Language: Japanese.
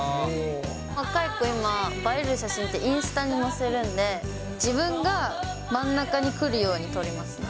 若い子、今、映える写真ってインスタに載せるんで、自分が真ん中に来るように撮りますね。